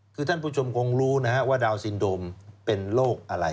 คือท่านผู้ชมคงรู้นะฮะว่าดาวซินโดมเป็นโรคอะไร